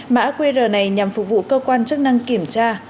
mã qr này nhằm phục vụ cơ quan chức năng kiểm tra